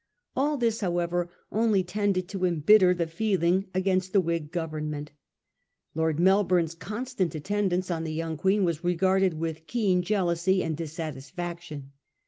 All this, however, only tended to embitter the feeling against the Whig Government. Lord Melbourne's constant attendance on the young Queen was regarded with keen jealousy and dissatisfaction.